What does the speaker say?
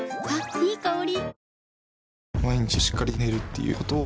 いい香り。